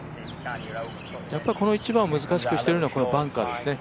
やっぱりこの１番を難しくしてるのはバンカーですね。